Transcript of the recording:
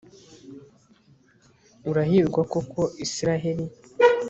urahirwa koko israheli